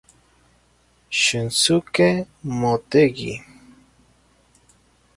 Shunsuke Motegi